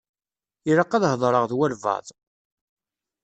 Ilaq ad heḍṛeɣ d walebɛaḍ.